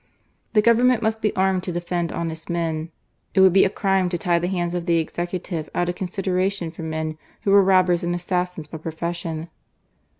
The Government must be armed to defend honest men. It would be a crime to tie the hands of the Executive out of consideration for men who were robbers and assassins by profession."